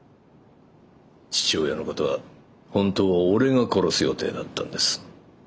父親のことは本当は俺が殺す予定だったんです。